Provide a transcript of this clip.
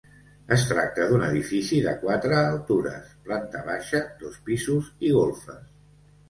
Es tracta d'un edifici de quatre altures, planta baixa, dos pisos i golfes.